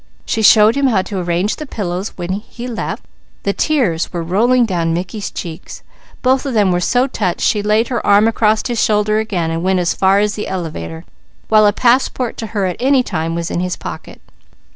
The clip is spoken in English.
She showed him how to arrange the pillows; when he left, the tears were rolling down Mickey's cheeks. Both of them were so touched she laid her arm across his shoulder again and went as far as the elevator, while a passport to her at any time was in his pocket.